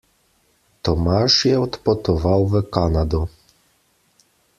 Tomaž je odpotoval v Kanado.